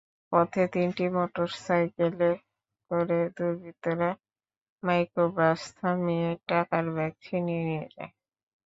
পথে তিনটি মোটরসাইকেলে করে দুর্বৃত্তরা মাইক্রোবাস থামিয়ে টাকার ব্যাগ ছিনিয়ে নিয়ে যায়।